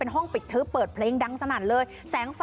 หลบ